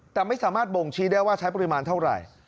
แต่ไม่สามารถบ่งชี้ได้ว่าใช้ปริมาณเท่าไหร่